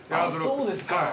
そうですか。